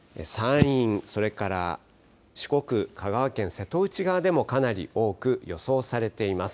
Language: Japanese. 山陰、それから四国、香川県瀬戸内側でもかなり多く予想されています。